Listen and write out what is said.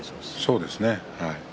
そうですね。